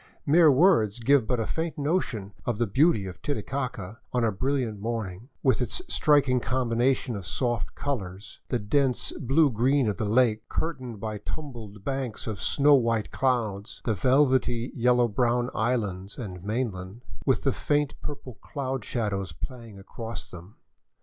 Mere words give but a faint notion of the beauty of Titicaca on a brilliant morn ing, with its striking combinations of soft colors, — the dense blue green of the lake, curtained by tumbled banks of snow white clouds, the velvety yellow brown islands and mainland, with the faint purple cloud shadows playing across them.